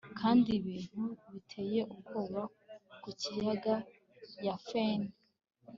Kandi ibintu biteye ubwoba ku kiyaga na fen